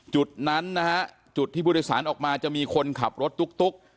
จุดนั้นนะฮะจุดที่ผู้โดยสารออกมาจะมีคนขับรถตุ๊ก